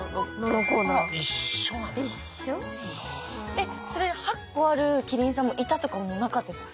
えっそれ８個あるキリンさんもいたとかもなかったんですか？